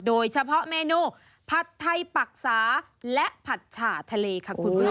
โดยเฉพาะเมนูผัดไทยปรักษาและผัดฉ่าทะเลค่ะคุณผู้ชม